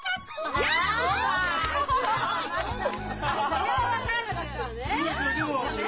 それは分からなかったわね！